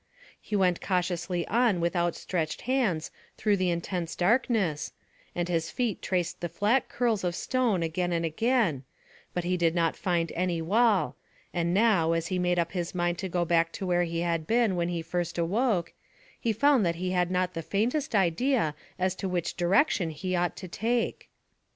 He went cautiously on with outstretched hands through the intense darkness, and his feet traced the flat curls of stone again and again, but he did not find any wall, and now, as he made up his mind to go back to where he had been when he first awoke, he found that he had not the faintest idea as to which direction he ought to take.